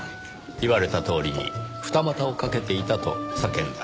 言われたとおりに二股をかけていたと叫んだ。